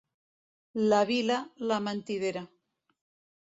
La Vila, la mentidera.